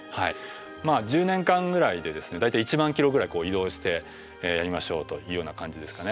１０年間ぐらいでですね大体１万キロぐらい移動してやりましょうというような感じですかね。